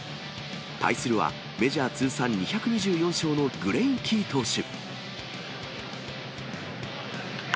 対するは、メジャー通算２２４勝のグレインキー投手。